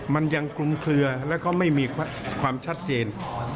มันยังคลุมเคลือแล้วก็ไม่มีความชัดเจน